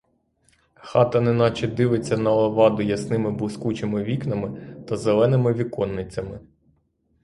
Хата неначе дивиться на леваду ясними блискучими вікнами та зеленими віконницями.